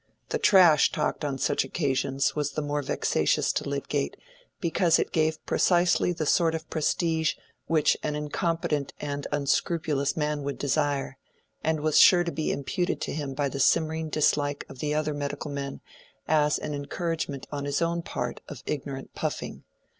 The trash talked on such occasions was the more vexatious to Lydgate, because it gave precisely the sort of prestige which an incompetent and unscrupulous man would desire, and was sure to be imputed to him by the simmering dislike of the other medical men as an encouragement on his own part of ignorant puffing.